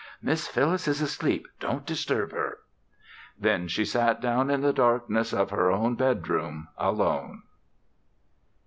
"Miss Phyllis is asleep. Don't disturb her." Then she sat down in the darkness of her own bedroom alone.